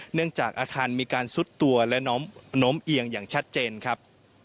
เนื่องจากอาคารมีการซุดตัวและโน้มเอียงอย่างชัดเจนครับ